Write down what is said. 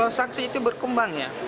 kalau saksi itu berkembang ya